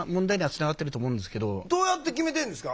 どうやって決めてんですか？